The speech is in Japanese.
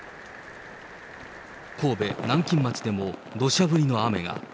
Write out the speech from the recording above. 神戸・南京町でも、どしゃ降りの雨が。